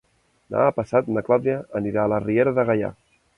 Demà passat na Clàudia anirà a la Riera de Gaià.